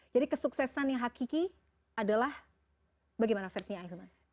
jadi kesuksesan yang hakiki adalah bagaimana versinya hilman